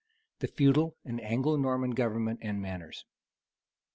THE FEUDAL AND ANGLO NORMAN GOVERNMENT AND MANNERS.